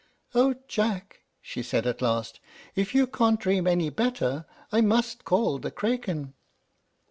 "O Jack!" she said, at last; "if you can't dream any better, I must call the Craken."